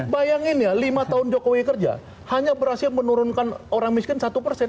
bayangin ya lima tahun jokowi kerja hanya berhasil menurunkan orang miskin satu persen